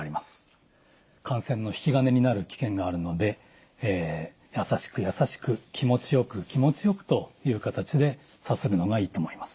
感染の引き金になる危険があるのでやさしくやさしく気持ちよく気持ちよくという形でさするのがいいと思います。